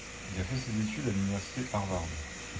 Il a fait ses études à l'Université Harvard.